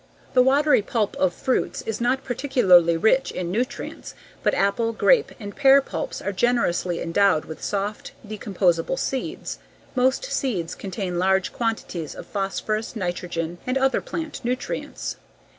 The watery pulp of fruits is not particularly rich in nutrients but apple, grape, and pear pulps are generously endowed with soft, decomposable seeds. Most seeds contain large quantities of phosphorus, nitrogen, and other plant nutrients.